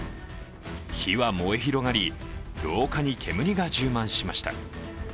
火は燃え広がり、廊下に煙が充満しました。